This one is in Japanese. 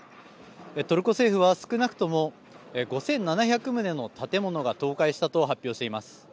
トルコ政府は少なくとも５７００棟の建物が倒壊したと発表しています。